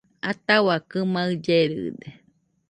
Ataua kɨmaɨ llerɨde